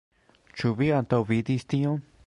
Ĉu vi antaŭvidis tion?